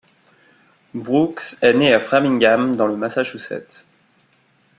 Brooks est né à Framingham, dans le Massachusetts.